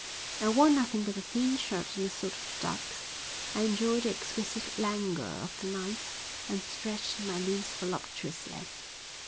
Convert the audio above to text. I wore nothing but a thin shirt and a suit of ducks. I enjoyed the exquisite languor of the night, and stretched my limbs voluptuously.